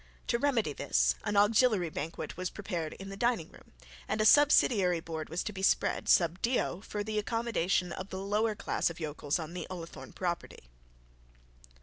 To remedy this, an auxiliary banquet was prepared in the dining room, and a subsidiary board was to be spread sub dio for the accommodation of the lower class of yokels on the Ullathorne property.